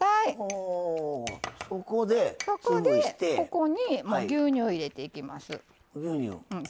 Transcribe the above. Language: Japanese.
そこで、ここに牛乳を入れていきます。